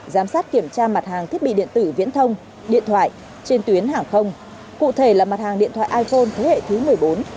giám sát kiểm tra mặt hàng thiết bị điện tử viễn thông điện thoại trên tuyến hàng không cụ thể là mặt hàng điện thoại iphone thế hệ thứ một mươi bốn